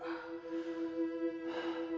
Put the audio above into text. saya kesamping dannutsil